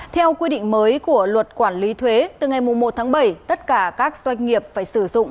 theo quy định mới của luật quản lý thuế từ ngày một tháng bảy tất cả các doanh nghiệp phải sử dụng